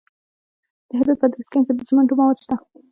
د هرات په ادرسکن کې د سمنټو مواد شته.